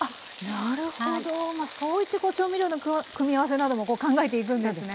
なるほどそうやってこう調味料の組み合わせなども考えていくんですね。